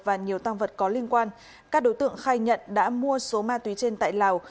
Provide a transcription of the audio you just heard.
và nhiều tăng vật có liên quan các đối tượng khai nhận đã mua số ma túy trên tại lào